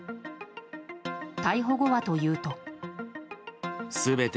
逮捕後はというと。